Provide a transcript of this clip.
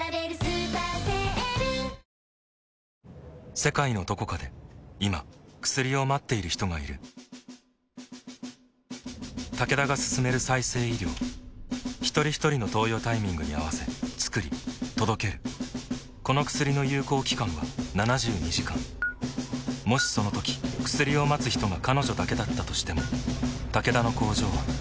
世界のどこかで今薬を待っている人がいるタケダが進める再生医療ひとりひとりの投与タイミングに合わせつくり届けるこの薬の有効期間は７２時間もしそのとき薬を待つ人が彼女だけだったとしてもタケダの工場は彼女のために動くだろう